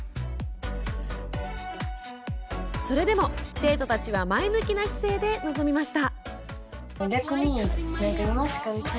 それでも、生徒たちは前向きな姿勢で臨みました。